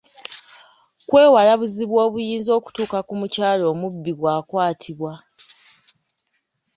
Kwewala buzibu obuyinza okutuuka ku mukyala omubbi bw’akwatibwa.